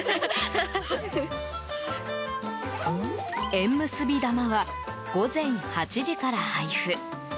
縁結び玉は午前８時から配布。